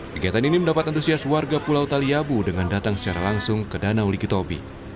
kegiatan ini mendapat antusias warga pulau taliabu dengan datang secara langsung ke danau likitobi